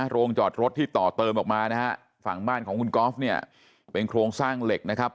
โรงจอดรถที่ต่อเติมออกมานะฮะฝั่งบ้านของคุณกอล์ฟเนี่ยเป็นโครงสร้างเหล็กนะครับ